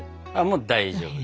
もう大丈夫。